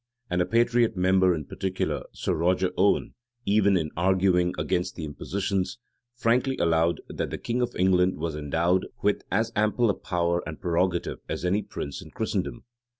[] And a patriot member in particular, Sir Roger Owen, even in arguing against the impositions, frankly allowed, that the king of England was endowed with as ample a power and prerogative as any prince in Christendom.